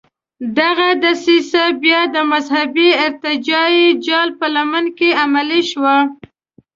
دغه دسیسه بیا د مذهبي ارتجاعي جال په لمن کې عملي شوه.